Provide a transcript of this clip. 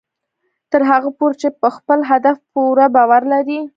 تر هغه پورې چې په خپل هدف پوره باور لرئ